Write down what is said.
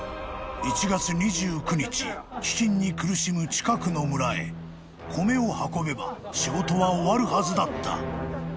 ［１月２９日飢饉に苦しむ近くの村へ米を運べば仕事は終わるはずだった］